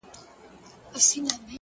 يارانو مخ ورځني پټ کړئ گناه کاره به سئ’